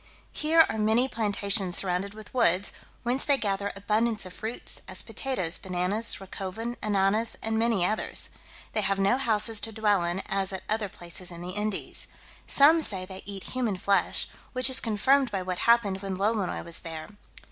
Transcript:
Here are many plantations surrounded with woods, whence they gather abundance of fruits, as potatoes, bananas, racoven, ananas, and many others. They have no houses to dwell in, as at other places in the Indies. Some say they eat human flesh, which is confirmed by what happened when Lolonois was there.